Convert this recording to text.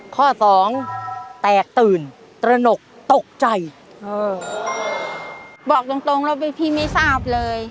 ข้อสองแตกตื่นตระหนกตกใจเออบอกตรงตรงแล้วพี่ไม่ทราบเลย